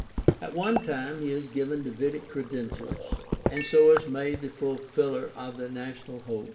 At one time he is given Davidic credentials, and so is made the fulfiller of the national hope (cf.